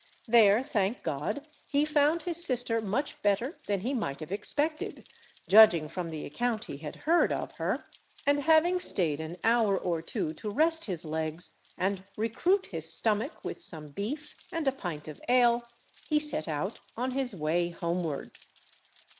There, thank God, he found his sister much better than he might have expected, judging from the account he had heard of her, and having stayed an hour or two to rest his legs, and recruit his stomach with some beef and a pint of ale, he set out on his way homeward.